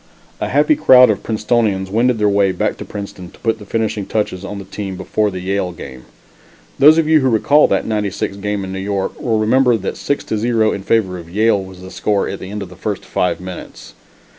A happy crowd of Princetonians wended their way back to Princeton to put the finishing touches on the team before the Yale game. Those of you who recall that '96 game in New York will remember that 6 to 0 in favor of Yale was the score, at the end of the first five minutes.